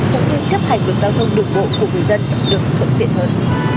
cho những chấp hành được giao thông đủng bộ của người dân được thuận tiện hơn